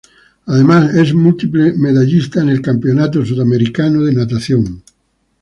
Además, es múltiple medallista en el Campeonato Sudamericano de Natación.